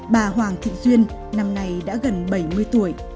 bà hoàng thị duyên năm nay đã gần bảy mươi tuổi